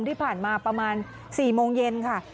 ที่ผ่านมาประมาณ๔โมงเย็นค่ะ